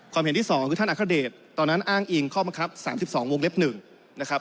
เห็นที่๒คือท่านอัคเดชตอนนั้นอ้างอิงข้อบังคับ๓๒วงเล็บ๑นะครับ